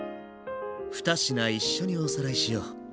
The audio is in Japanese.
２品一緒におさらいしよう。